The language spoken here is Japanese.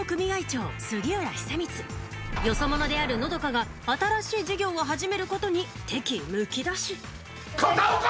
長杉浦久光よそ者である和佳が新しい事業を始めることに敵意むき出し片岡！